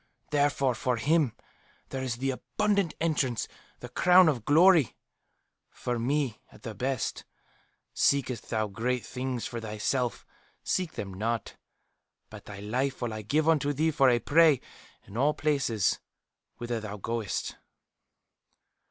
Therefore for him there is the 'abundant entrance,' the 'crown of glory.' For me, at the best, 'Seekest thou great things for thyself, seek them not. But thy life will I give unto thee for a prey in all places whither thou goest.